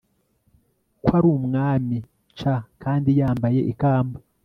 kwarumwami c kandi yambaye ikamba